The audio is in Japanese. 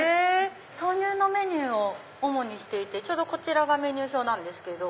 豆乳のメニューを主にしていてこちらがメニュー表なんですけど。